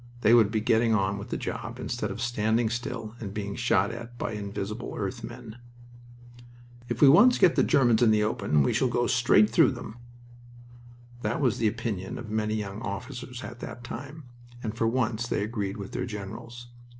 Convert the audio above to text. They would be getting on with the job instead of standing still and being shot at by invisible earth men. "If we once get the Germans in the open we shall go straight through them." That was the opinion of many young officers at that time, and for once they agreed with their generals.